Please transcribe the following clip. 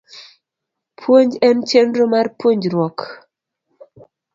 Puonj en chenro mar puonjruok